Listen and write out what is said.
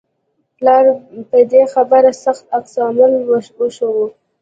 پلار په دې خبرې سخت عکس العمل وښود